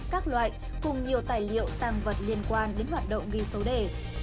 các loại cùng nhiều tài liệu tăng vật liên quan đến hoạt động ghi số đề